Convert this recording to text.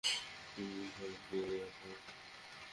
হয়ে গিয়েছে প্রায়।